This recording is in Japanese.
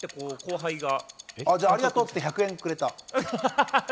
じゃあ、ありがとうって１００円くれた。